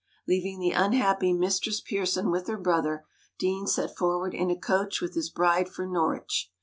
Leaving the unhappy Mistress Pearson with her brother, Deane set forward in a coach with his bride for Norwich.